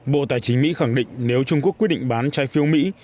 bộ tài chính mỹ khẳng định nếu trung quốc quyết định bán trái phiếu mỹ